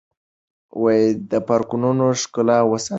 د پارکونو ښکلا وساتئ.